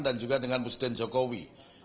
juga dengan presiden jokowi